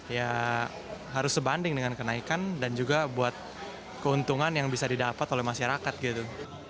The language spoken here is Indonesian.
ya harus sebanding dengan kenaikan dan juga buat keuntungan yang bisa didapat oleh masyarakat gitu